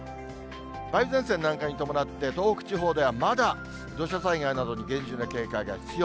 梅雨前線南下に伴って、東北地方ではまだ土砂災害などに厳重な警戒が必要。